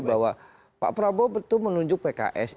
bahwa pak prabowo betul menunjuk pks